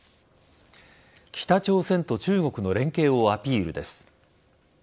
北朝鮮と中国の連携をアピールです。